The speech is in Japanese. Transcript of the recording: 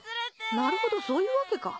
なるほどそういうわけか。